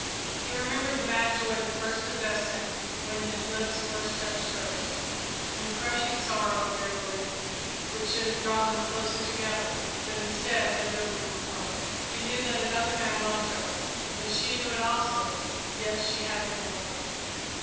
He remembered the mad joy that possessed him when his lips first touched hers, and the crushing sorrow of their bereavement, which should have drawn them closer together, but instead had driven them apart. He knew that another man loved her and that she knew it also, yet she had been loyal.